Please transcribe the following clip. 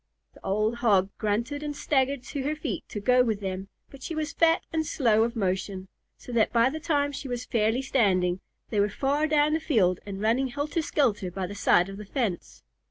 The old Hog grunted and staggered to her feet to go with them, but she was fat and slow of motion, so that by the time she was fairly standing, they were far down the field and running helter skelter by the side of the fence.